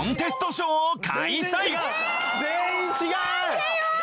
全員違う！